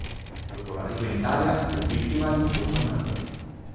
Dopo l'arrivo in Italia, fu vittima di un furto a Napoli.